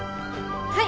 はい！